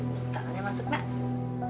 aduh tak ada masuk pak